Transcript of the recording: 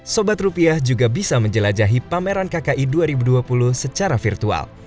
sobat rupiah juga bisa menjelajahi pameran kki dua ribu dua puluh secara virtual